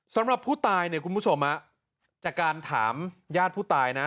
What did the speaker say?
สำหรับผู้ตายเนี่ยคุณผู้ชมจากการถามญาติผู้ตายนะ